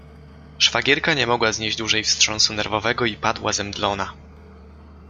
Szwagierka nie mogła znieść dłużej wstrząsu nerwowego i padła zemdlona.